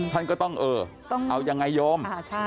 ท่านก็ต้องเออเอายังไงโยม